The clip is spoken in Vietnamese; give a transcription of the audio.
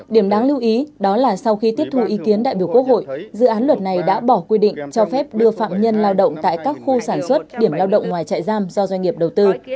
điểm đáng lưu ý đó là sau khi tiếp thu ý kiến đại biểu quốc hội dự án luật này đã bỏ quy định cho phép đưa phạm nhân lao động tại các khu sản xuất điểm lao động ngoài trại giam do doanh nghiệp đầu tư